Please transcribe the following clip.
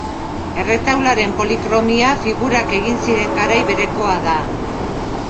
Erretaularen polikromia, figurak egin ziren garai berekoa da.